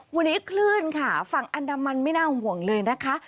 วันนี้คลื่นค่ะฝั่งอันดามันไม่น่าห่วงเลยนะคะ